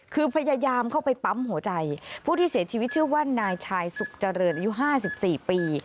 คือพยายามเข้าไปปั๊มหัวใจผู้ที่เสียชีวิตชื่อว่านายชายสุขเจริญอายุ๕๔ปี